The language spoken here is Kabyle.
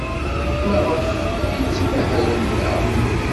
Maɣef ay ttmahalen da?